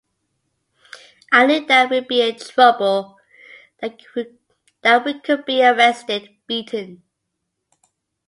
I knew that we'd be in trouble, that we could be arrested, beaten.